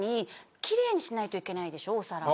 お皿を。